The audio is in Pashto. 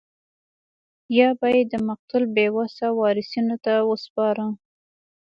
یا به یې د مقتول بې وسه وارثینو ته ورسپاره.